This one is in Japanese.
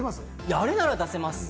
あれなら出せます。